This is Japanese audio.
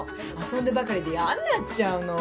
遊んでばかりでやんなっちゃうの。